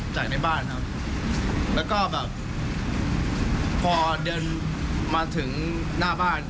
ในบ้านครับแล้วก็แบบพอเดินมาถึงหน้าบ้าน